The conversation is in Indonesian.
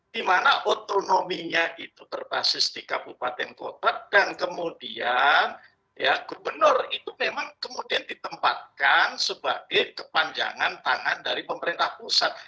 dimana otonominya itu berbasis di kabupaten kota dan kemudian gubernur itu memang kemudian ditempatkan sebagai kepanjangan tangan dari pemerintah pusat